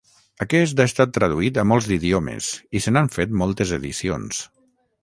Aquest ha estat traduït a molts d'idiomes i se n'han fet moltes edicions.